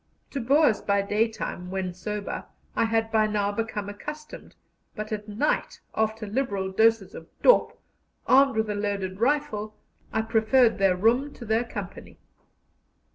To Boers by daytime, when sober, I had by now become accustomed, but at night, after liberal doses of "dop," armed with a loaded rifle, I preferred their room to their company.